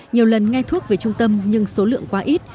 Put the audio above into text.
nhiều lần nghe thuốc về trung tâm nhưng số lượng quá ít